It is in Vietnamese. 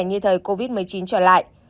như thời covid một mươi chín trở lại